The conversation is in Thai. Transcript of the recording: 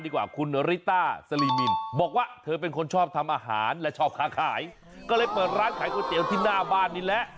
ก็เลยเปิดร้านขายก๋วยเตี๋ยวที่หน้าบ้านนี้แหละ